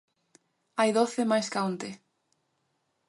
Hai doce máis ca onte.